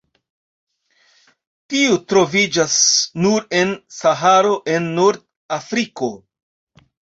Tiu troviĝas nur en Saharo en Nord-Afriko.